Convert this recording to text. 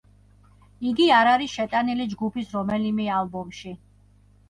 იგი არ არის შეტანილი ჯგუფის რომელიმე ალბომში.